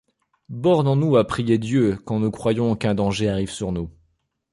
Bornons-nous à prier Dieu quand nous croyons qu’un danger arrive sur nous.